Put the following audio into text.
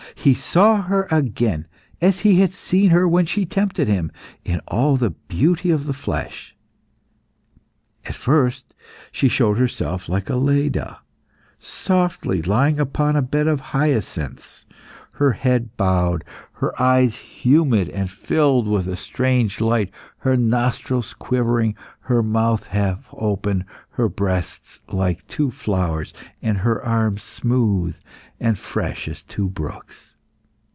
He saw her again, as he had seen her when she tempted him, in all the beauty of the flesh. At first she showed herself like a Leda, softly lying upon a bed of hyacinths, her head bowed, her eyes humid and filled with a strange light, her nostrils quivering, her mouth half open, her breasts like two flowers, and her arms smooth and fresh as two brooks.